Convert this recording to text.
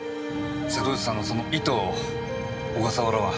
瀬戸内さんのその意図を小笠原は？